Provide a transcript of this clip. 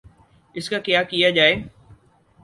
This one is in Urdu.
اس کا کیا کیا جائے؟